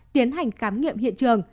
tiến hành khám nghiệm hiện trường